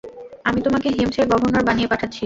আমি তোমাকে হিমসের গভর্নর বানিয়ে পাঠাচ্ছি।